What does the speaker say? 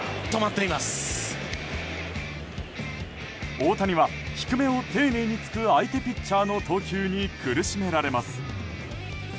大谷は、低めを丁寧に突く相手ピッチャーの投球に苦しめられます。